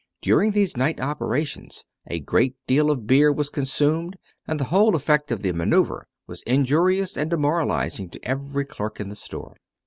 During these night operations a great deal of beer was consumed, and the whole effect of the manoeuvre was injurious and demoralizing to every clerk in the store.